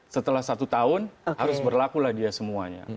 setelah satu tahun harus berlakulah dia semuanya